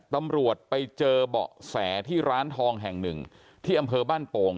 ตำรวจไปเจอเบาะแสที่ร้านทองแห่งหนึ่งที่อำเภอบ้านโป่ง